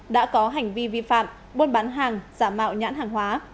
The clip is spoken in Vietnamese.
đã có hành vi vi phạm buôn bán hàng giả mạo nhãn hàng hóa